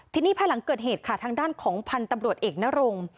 ทีนี้ภายหลังเกิดเหตุค่ะทางด้านของพันธุ์ตำรวจเอกนรง